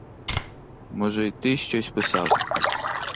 Може й ти щось писав?